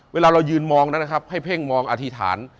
เวลาเรายืนมองนั้นนะครับให้เพ่งมองอธิษฐาน